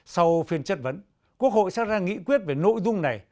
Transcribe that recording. sau phiên chất vấn quốc hội sẽ ra nghị quyết về nội dung này